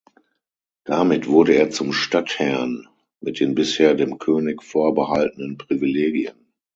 Damit wurde er zum Stadtherrn mit den bisher dem König vorbehaltenen Privilegien.